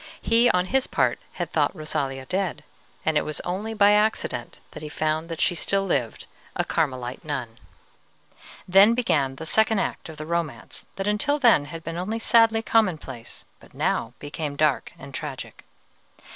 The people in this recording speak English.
He on his part had thought Rosalia dead, and it was only by accident that he found that she still lived, a Carmelite nun. Then began the second act of the romance that until then had been only sadly commonplace, but now became dark and tragic.